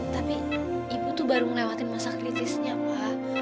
tapi ibu tuh baru ngelewatin masa kritisnya pak